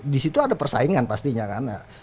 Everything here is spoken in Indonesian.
di situ ada persaingan pastinya kan